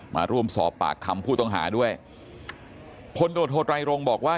มาร่วมสอบปากคำผู้ต้องหาด้วยคนตำลดโทรไตรงบอกว่า